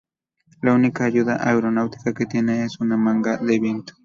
La única ayuda aeronáutica que tiene es una manga de viento.